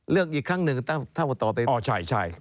เลือกอีกครั้งหนึ่งถ้าว่าต่อไป